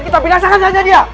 kita binasakan saja dia